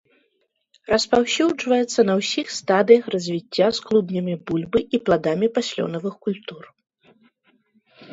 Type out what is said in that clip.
Распаўсюджваецца на ўсіх стадыях развіцця з клубнямі бульбы і пладамі паслёнавых культур.